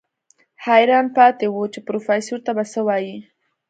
حيران پاتې و چې پروفيسر ته به څه وايي.